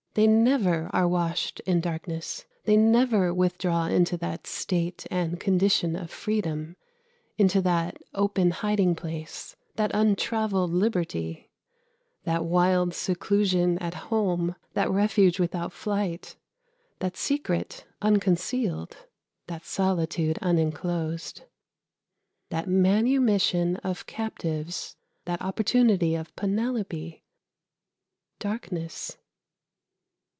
They never are washed in darkness; they never withdraw into that state and condition of freedom, into that open hiding place, that untravelled liberty, that wild seclusion at home, that refuge without flight, that secret unconcealed, that solitude unenclosed, that manumission of captives, that opportunity of Penelope darkness.